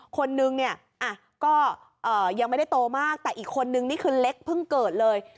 คนนึงเนี่ยก็ยังไม่ได้โตมากแต่อีกคนนึงนี่คือเล็กเพิ่งเกิดเลย